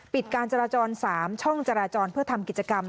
การจราจร๓ช่องจราจรเพื่อทำกิจกรรม